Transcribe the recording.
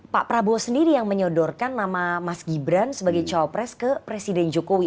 pak prabowo sendiri yang menyodorkan nama mas gibran sebagai cowok pres ke presiden jokowi